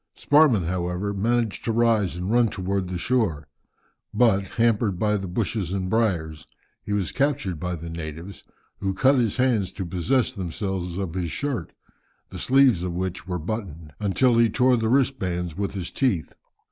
Sparrman, however, managed to rise and run towards the shore, but, hampered by the bushes and briars, he was captured by the natives, who cut his hands to possess themselves of his shirt, the sleeves of which were buttoned, until he tore the wristbands with his teeth.